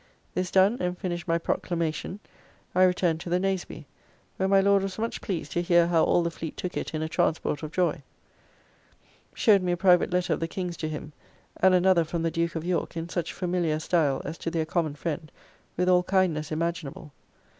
This done and finished my Proclamation, I returned to the Nazeby, where my Lord was much pleased to hear how all the fleet took it in a transport of joy, showed me a private letter of the King's to him, and another from the Duke of York in such familiar style as to their common friend, with all kindness imaginable.